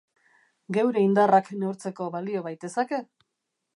Geure indarrak neurtzeko balio baitezake!